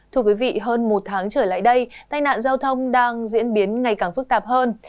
thưa quý vị hơn một tháng trở lại đây tai nạn giao thông đang diễn biến ngày càng phức tạp hơn